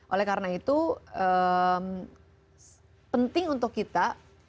oleh karena itu penting untuk kita